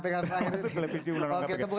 termasuk revisi undang undang kpk